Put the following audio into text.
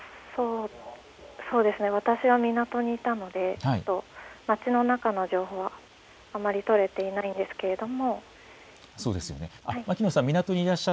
私は港にいたので町の中の情報はあまり取れていないんですけれども。